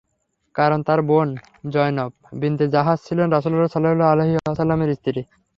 কারণ তার বোন যয়নব বিনতে জাহাস ছিলেন রাসূলুল্লাহ সাল্লাল্লাহু আলাইহি ওয়াসাল্লামের স্ত্রী।